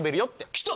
きた！